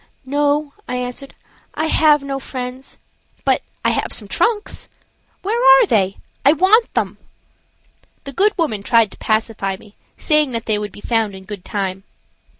"No," I answered, "I have no friends, but I have some trunks. Where are they? I want them." The good woman tried to pacify me, saying that they would be found in good time.